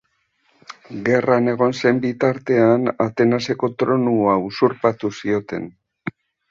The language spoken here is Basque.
Gerran egon zen bitartean Atenaseko tronua usurpatu zioten.